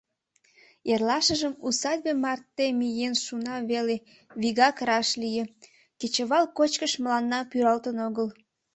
Эрлашыжым усадьбе марте миен шуна веле — вигак раш лие: кечывал кочкыш мыланна пӱралтын огыл.